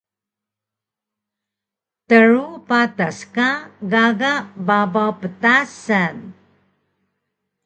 Tru patas ka gaga babaw ptasan